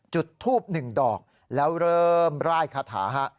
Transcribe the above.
จุดทูบ๑ดอกแล้วเริ่มร่ายคาถาฮะ